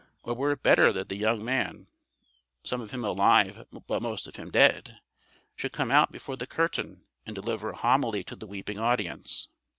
Or were it better that the young man, some of him alive but most of him dead, should come out before the curtain and deliver a homily to the weeping audience?